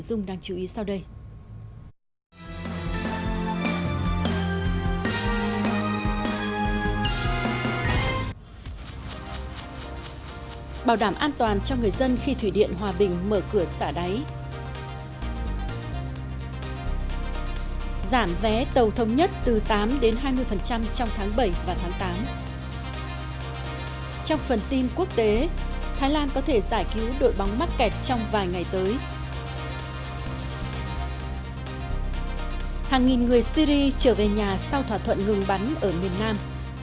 hàng nghìn người syri trở về nhà sau thỏa thuận lùng bắn ở miền nam